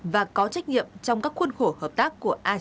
và có trách nhiệm trong các khuôn khổ hợp tác của asean